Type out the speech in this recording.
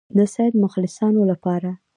د سید مخلصانو لپاره.